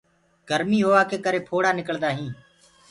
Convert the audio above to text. گرمي هوآ ڪي ڪري ڦوڙآ نِڪݪدآ هينٚ۔